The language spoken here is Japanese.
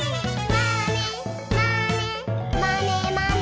「まねまねまねまね」